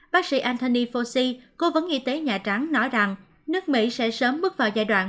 bác sĩ anthony fosi cố vấn y tế nhà trắng nói rằng nước mỹ sẽ sớm bước vào giai đoạn